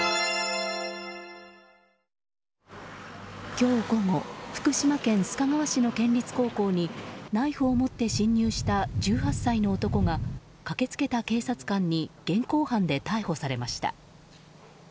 今日午後福島県須賀川市の県立高校にナイフを持って侵入した１８歳の男が駆け付けた警察官に現行犯で逮捕されました。